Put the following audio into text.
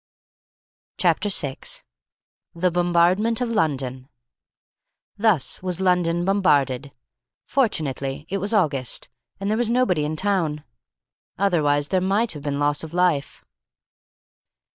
Chapter 6 THE BOMBARDMENT OF LONDON Thus was London bombarded. Fortunately it was August, and there was nobody in town. Otherwise there might have been loss of life.